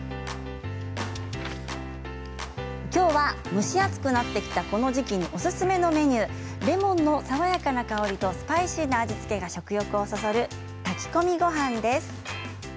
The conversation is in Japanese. きょうは、蒸し暑くなってきたこの時期におすすめのメニューレモンの爽やかな香りとスパイシーな味付けが食欲をそそる炊き込みごはんです。